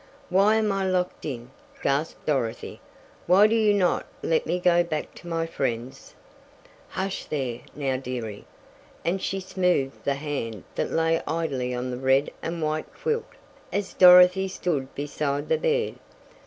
"Why am I locked in?" gasped Dorothy. "Why do you not let me go back to my friends?" "Hush there, now, dearie," and she smoothed the hand that lay idly on the red and white quilt, as Dorothy stood beside the bed.